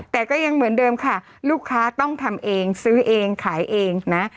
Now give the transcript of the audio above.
แต่ก็ยังเหมือนเดิมค่ะลูกค้าต้องทำเองซื้อเองขายเองนะ